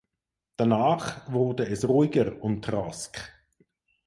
Danach wurde es ruhiger um Trask.